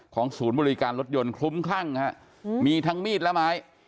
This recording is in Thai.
ศูนย์บริการรถยนต์คลุ้มคลั่งฮะมีทั้งมีดและไม้